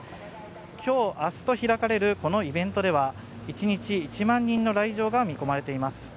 今日、明日と開かれるこのイベントでは一日１万人の来場が見込まれています。